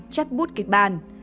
chắc bút kịch bàn